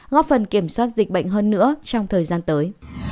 góp phần kiểm soát dịch bệnh hơn nữa trong thời gian tới